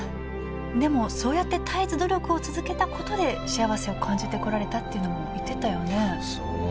でもそうやって絶えず努力を続けたことでしあわせを感じてこられたっていうのも言ってたよねそう！